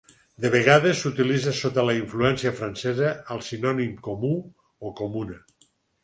De vegades s'utilitza sota la influència francesa el sinònim comú o comuna.